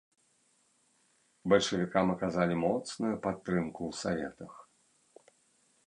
Бальшавікам аказалі моцную падтрымку ў саветах.